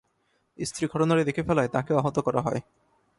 স্ত্রী ঘটনাটি দেখে ফেলায় তাঁকেও আহত করা হয়।